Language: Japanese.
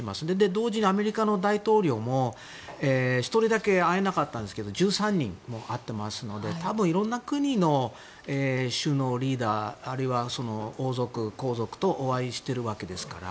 同時に、アメリカの大統領も１人だけ会えなかったんですけど１３人も会っているのでいろんな国のリーダーあるいは王族、皇族とお会いしているわけですから。